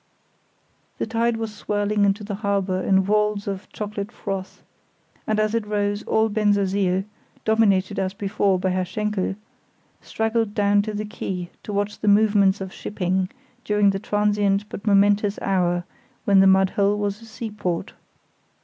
The tide was swirling into the harbour in whorls of chocolate froth, and as it rose all Bensersiel, dominated as before by Herr Schenkel, straggled down to the quay to watch the movements of shipping during the transient but momentous hour when the mud hole was a seaport.